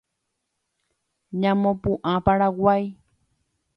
Ñamopu’ã Paraguay